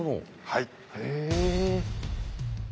はい。